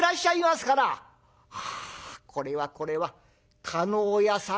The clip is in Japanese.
「ああこれはこれは叶屋さん